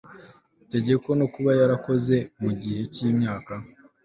tegeko no kuba yarakoze mu gihe cy imyaka